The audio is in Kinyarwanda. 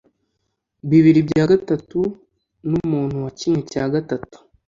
bibiri bya gatatu numuntu wa kimwe cya gatatu